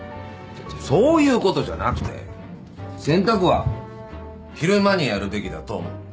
そういうことじゃなくて洗濯は昼間にやるべきだと思う。